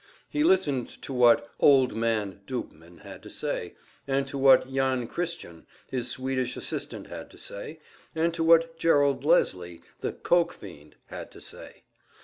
He listened to what "Old Man" Doobman had to say, and to what Jan Christian, his Swedish assistant had to say, and to what Gerald Leslie, the "coke" fiend, had to say.